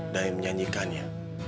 dan yang menyanyikannya